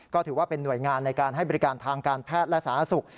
ก็ถือว่าเป็นหน่วยงานในการให้บริการทางการแพทย์และสาธารณสุข